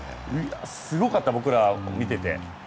すごかった、僕らも見てて。